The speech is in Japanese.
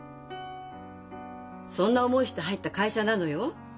そんな思いして入った会社なのよ。